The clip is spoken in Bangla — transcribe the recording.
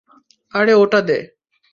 আরে, ওটা দে।